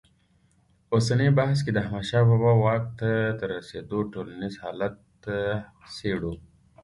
اوسني بحث کې د احمدشاه بابا واک ته تر رسېدو ټولنیز حالت څېړو.